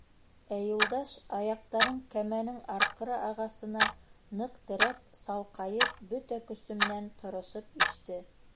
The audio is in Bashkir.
Ә Юлдаш аяҡтарын кәмәнең арҡыры ағасына ныҡ терәп, салҡайып, бөтә көсө менән тырышып иште.